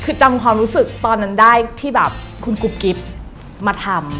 คือจำความรู้สึกตอนนั้นได้ที่แบบคุณกุ๊บกิ๊บมาทำ